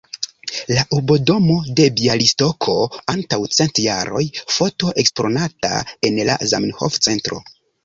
La urbodomo de Bjalistoko antaŭ cent jaroj, foto eksponata en la Zamenhof-centro.